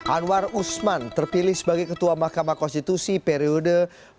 anwar usman terpilih sebagai ketua mahkamah konstitusi periode dua ribu delapan belas dua ribu dua puluh